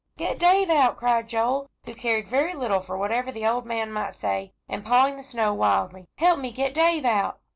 "Get Dave out," cried Joel, who cared very little for whatever the old man might say, and pawing the snow wildly. "Help me get Dave out."